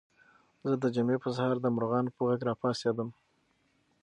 زه د جمعې په سهار د مرغانو په غږ راپاڅېدم.